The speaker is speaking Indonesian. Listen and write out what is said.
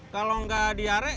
kalau gak diare